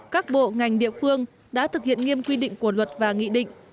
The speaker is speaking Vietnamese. các bộ ngành địa phương đã thực hiện nghiêm quy định của luật và nghị định